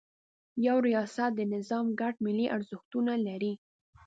یو ریاست د نظام ګډ ملي ارزښتونه لري.